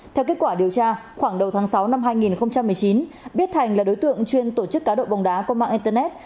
theo kết quả điều tra khoảng đầu tháng sáu năm hai nghìn một mươi chín biết thành là đối tượng chuyên tổ chức cá độ bóng đá qua mạng internet